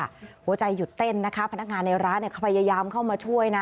หัวใจหยุดเต้นนะคะพนักงานในร้านเขาพยายามเข้ามาช่วยนะ